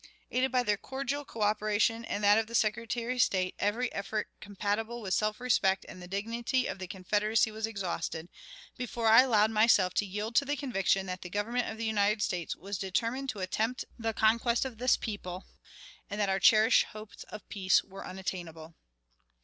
Aided by their cordial coöperation and that of the Secretary of State, every effort compatible with self respect and the dignity of the Confederacy was exhausted, before I allowed myself to yield to the conviction that the Government of the United States was determined to attempt the conquest of this people, and that our cherished hopes of peace were unobtainable.